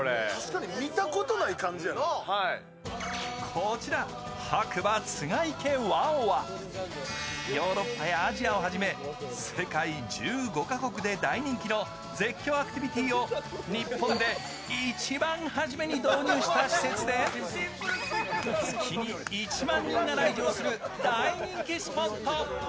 こちら白馬つがいけＷＯＷはヨーロッパやアジアをはじめ世界１５か国で大人気の絶叫アクティビティーを日本で一番はじめに導入した施設で月に１万人が来場する大人気スポット。